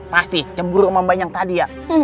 pasti cemburu sama bayang tadi ya